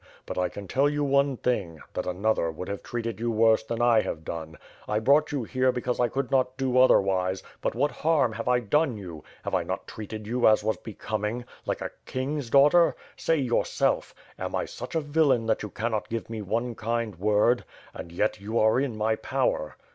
But I can tell you one thing; that another would have treated you worse than I have done. I brought you here because I could not do otherwise, but what harm have I done you? Have I not treated you as was becoming? Like a king's daughter? Say yourself! am I such a villain that you cannot give me one kind word? And yet, you are in my power."